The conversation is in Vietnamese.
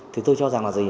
thì tôi cho rằng là gì